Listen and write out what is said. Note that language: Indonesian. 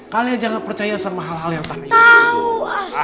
kalian jangan percaya sama hal hal yang tanya